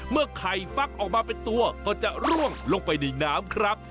เมื่อไข่ฟักออกมาเป็นตัวก็จะร่วงลงไปในน้ำครับ